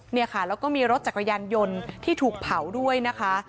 เนี่ยค่ะแล้วก็มีรถจักรยานยนต์ที่ถูกเผาด้วยนะคะ